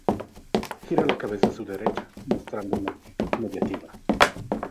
Gira la cabeza a su derecha, mostrando una actitud meditativa.